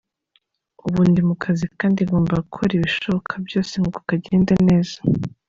Ubu ndi mu kazi kandi ngomba gukora ibishoboka byose ngo kagende neza.